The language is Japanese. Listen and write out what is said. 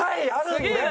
すげえな。